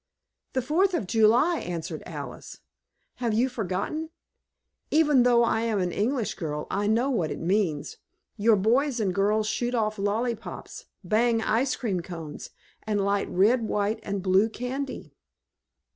"The Fourth of July!" answered Alice. "Have you forgotten? Even though I am an English girl I know what it means. Your boys and girls shoot off lollypops, bang ice cream cones and light red, white and blue candy."